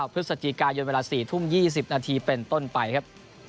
พฤศจิกายนเวลา๔ทุ่ม๒๐นาทีเป็นต้นไปครับ